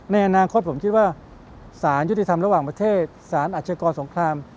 ในอนาคตผมคิดว่าสารยุติธรรมระหว่างประเทศสารอาชกรสงคราม